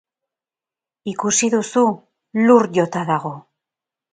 Ikusi duzu, lur jota dago!